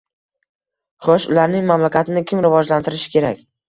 Xoʻsh, ularning mamlakatini kim rivojlantirishi kerak?